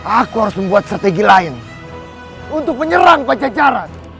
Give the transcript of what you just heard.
aku harus membuat strategi lain untuk menyerang pajajaran